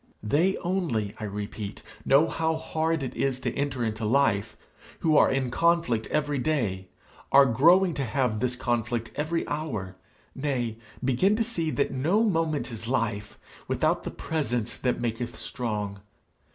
They only, I repeat, know how hard it is to enter into life, who are in conflict every day, are growing to have this conflict every hour nay, begin to see that no moment is life, without the presence that maketh strong.